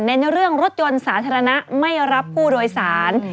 ในเรื่องรถยนต์สาธารณะไม่รับผู้โดยสาร